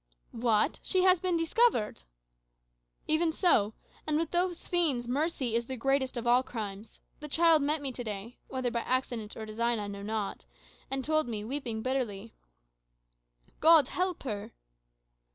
"What! she has been discovered?" "Even so: and with those fiends mercy is the greatest of all crimes. The child met me to day (whether by accident or design, I know not), and told me, weeping bitterly." "God help her!"